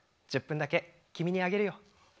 １０分だけ君にあげるよ。